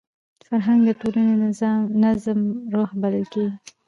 فرهنګ د ټولني د نظم روح بلل کېږي.